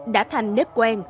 đã thành nếp quen